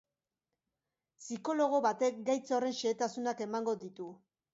Psikologo batek gaitz horren xehetasunak emango ditu.